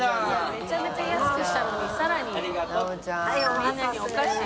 めちゃめちゃ安くしたのにさらにみんなにおかし。